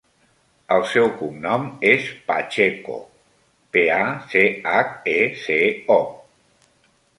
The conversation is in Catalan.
El seu cognom és Pacheco: pe, a, ce, hac, e, ce, o.